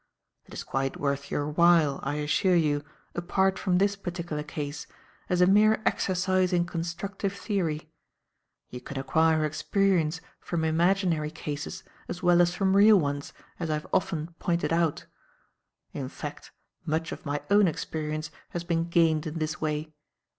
It is quite worth your while, I assure you, apart from this particular case, as a mere exercise in constructive theory. You can acquire experience from imaginary cases as well as from real ones, as I have often pointed out; in fact, much of my own experience has been gained in this way.